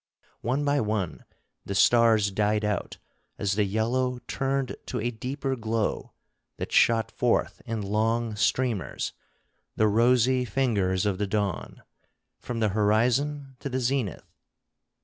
One by one the stars died out as the yellow turned to a deeper glow that shot forth in long streamers, the rosy fingers of the dawn, from the horizon to the zenith.